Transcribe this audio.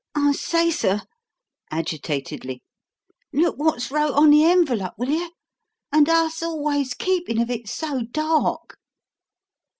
I say, sir," agitatedly, "look wot's wrote on the envellup, will yer? And us always keepin' of it so dark."